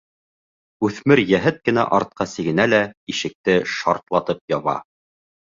Үҫмер йәһәт кенә артҡа сигенә лә ишекте шартлатып яба.